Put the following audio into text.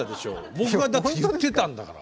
僕がだって言ってたんだから。